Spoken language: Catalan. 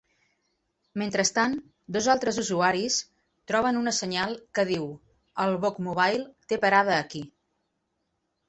Mentrestant, dos altres usuaris troben una senyal que diu "El Bookmobile té parada aquí".